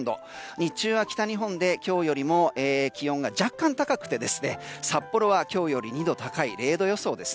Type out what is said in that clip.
日中は北日本で今日よりも気温が若干高くて札幌は今日より２度高い０度予想です。